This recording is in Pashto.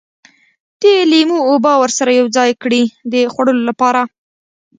د لیمو اوبه ورسره یوځای کړي د خوړلو لپاره.